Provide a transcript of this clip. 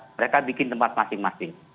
mereka bikin tempat masing masing